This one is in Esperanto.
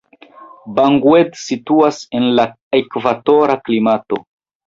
Bangued situas en la ekvatora klimato.